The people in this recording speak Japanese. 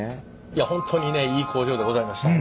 いや本当にねいい工場でございました